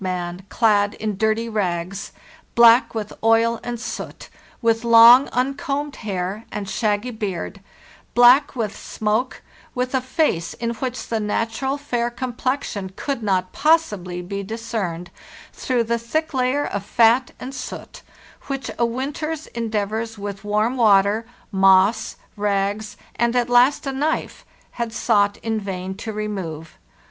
—34 530 FARTHEST NORTH man clad in dirty rags, black with oil and soot, with long uncombed hair and shaggy beard, black with smoke, with a face in which the natural fair complexion could not possibly be discerned through the thick layer of fat and soot which a winter's endeavors with warm water, moss, rags, and at last a knife, had sought in vain to remove.